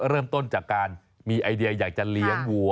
เริ่มต้นจากการมีไอเดียอยากจะเลี้ยงวัว